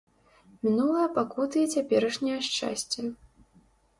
Мінулыя пакуты і цяперашняе шчасце!